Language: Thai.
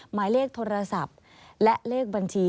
หมายเลขโทรศัพท์และเลขบัญชี